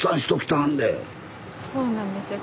そうなんですよ。